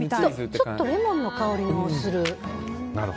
ちょっとレモンの香りもする。